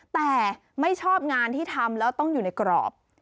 แต่ไม่ชอบงานที่ทำแล้วต้องอยู่ในกรอบ